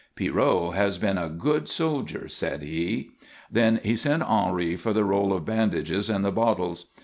"Pierrot has been a good soldier," said he. Then he sent Henri for the roll of bandages and the bottles.